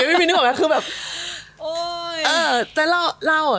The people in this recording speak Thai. ไม่ได้นึกออกแม่ว่าคือแบบ